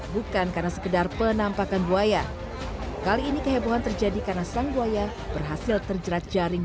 bukan karena sekedar penampakan buaya kali ini kehebohan terjadi karena sang buaya berhasil terjerat jaring